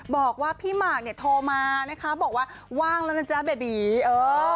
บอกว่าพี่หมากเนี่ยโทรมานะคะบอกว่าว่างแล้วนะจ๊ะเบบีเออ